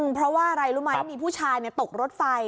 เพราะว่าอะไรรู้ไหมมีผู้ชายตกรถไฟ